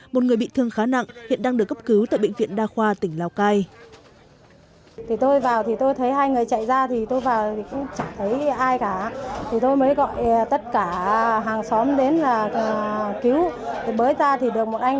một người bị thương khá nặng hiện đang được cấp cứu tại bệnh viện đa khoa tỉnh lào cai